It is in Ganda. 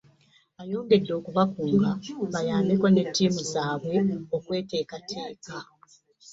Ayongedde okubakunga bayambeko ne ttiimu zaabwe okweteekateeka